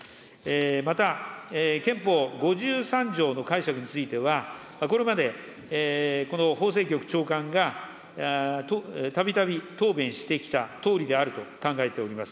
また、憲法５３条の解釈については、これまでこの法制局長官がたびたび答弁してきたとおりであると考えております。